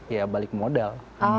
ya balik modal